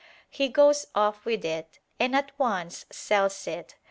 He goes off with it, and at once sells it.